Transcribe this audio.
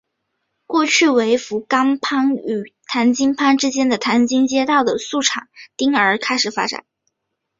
过去为福冈藩与唐津藩之间的唐津街道的宿场町而开始发展。